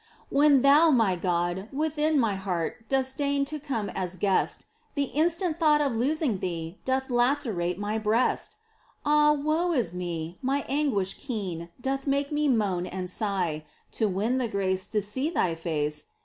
When Thou, my God, within my heart Dost deign to come as Guest, The instant thought of losing Thee Doth lacerate my breast ! Ah, woe is me ! my anguish keen Doth make me moan and sigh To win the grace to see Thy face.